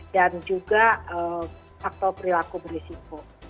dan juga faktor perilaku berisiko